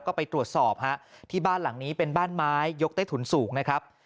ก็ไปตรวจสอบฮะที่บ้านหลังนี้เป็นบ้านไม้ยกใต้ถุนสูงนะครับ